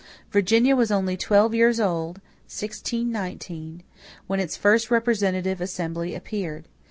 Virginia was only twelve years old (1619) when its first representative assembly appeared.